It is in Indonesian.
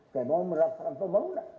saya mau merasakan pemula